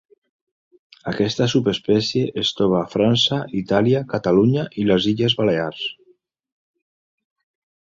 Aquesta subespècie es troba a França, Itàlia, Catalunya i les Balears.